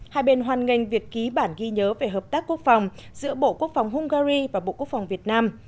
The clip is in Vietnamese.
chín hai bên hoan nghênh việc ký bản ghi nhớ về hợp tác quốc phòng giữa bộ quốc phòng hungary và bộ quốc phòng việt nam